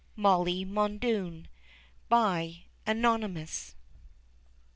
_) MOLLY MULDOON. ANONYMOUS.